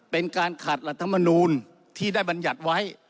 เป็นการขาดรัฐมนูลที่ได้บรรยัติไว้